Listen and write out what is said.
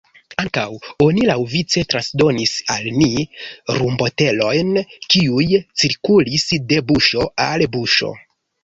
Ankaŭ, oni laŭvice transdonis al ni rumbotelojn, kiuj cirkulis de buŝo al buŝo.